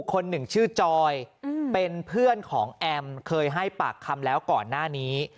คนหนึ่งชื่อจอยเป็นเพื่อนของแอมเคยให้ปากคำแล้วก่อนหน้านี้